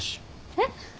えっ？